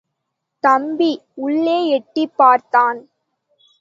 தம்பி! உள்ளே எட்டிப் பார்த்தான்.